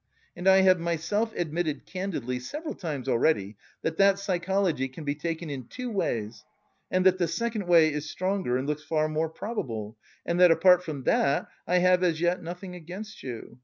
And I have myself admitted candidly several times already that that psychology can be taken in two ways and that the second way is stronger and looks far more probable, and that apart from that I have as yet nothing against you.